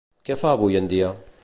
Què fa avui en dia?